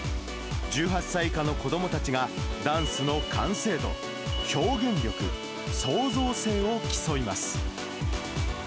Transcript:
１８歳以下の子どもたちが、ダンスの完成度、表現力、創造性を競います。